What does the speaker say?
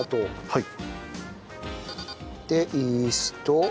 はい！